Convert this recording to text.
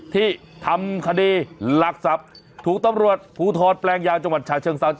ที่ทำคดีหลักศัพท์ถูกต้องรวดผู้ทอดแปลงยาวจังหวัดชาวเชิงซาวน์